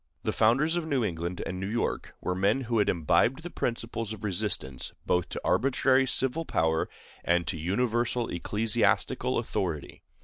The founders of New England and New York were men who had imbibed the principles of resistance both to arbitrary civil power and to universal ecclesiastical authority.